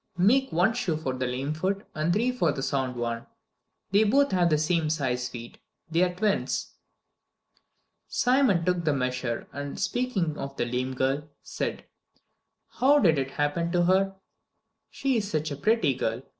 Make one shoe for the lame foot and three for the sound one. They both have the same size feet. They are twins." Simon took the measure and, speaking of the lame girl, said: "How did it happen to her? She is such a pretty girl.